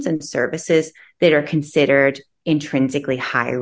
yang diperhatikan sebagai risiko tinggi